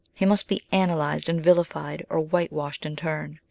He must be analysed, and vilified, or whitewashed in turn.